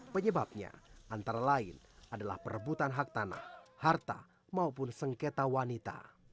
penyebabnya antara lain adalah perebutan hak tanah harta maupun sengketa wanita